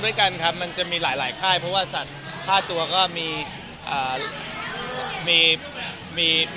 ดีใจครับมันจะมีหลายค่ายเพราะว่าสาดผ้าตัวก็มี